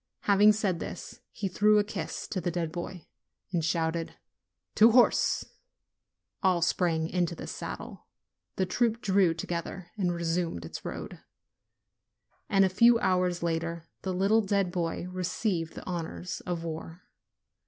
Having said this, he threw a kiss to the dead boy, and shouted "To horse !" All sprang into the saddle, the troop drew to gether and resumed its road. And a few hours later the little dead boy received the honors of war.